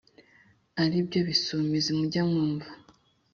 ari byo bisumizi mujya mwumva